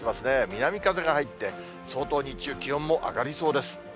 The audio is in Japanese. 南風が入って、相当、日中気温も上がりそうです。